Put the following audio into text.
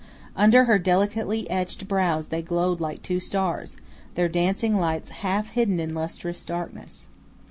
Under her delicately etched brows they glowed like two stars, their dancing lights half hidden in lustrous darkness.